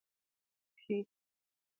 کښې